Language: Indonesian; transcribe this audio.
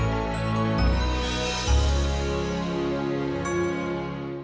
ya udah aku mau